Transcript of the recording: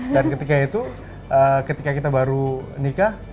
dan ketika itu ketika kita baru nikah